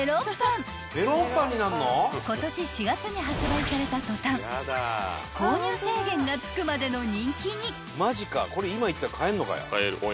［今年４月に発売された途端購入制限がつくまでの人気に！］